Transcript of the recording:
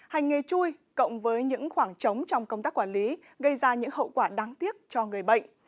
hành nghề chui cộng với những khoảng trống trong công tác quản lý gây ra những hậu quả đáng tiếc cho người bệnh